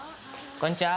こんにちは。